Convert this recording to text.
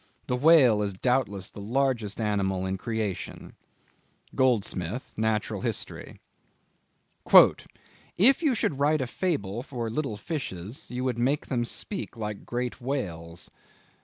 The whale is doubtless the largest animal in creation." —Goldsmith, Nat. Hist. "If you should write a fable for little fishes, you would make them speak like great whales."